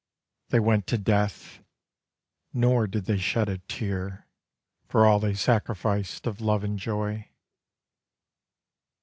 They went to death ; nor did they shed a tear For all they sacrificed of love and joy.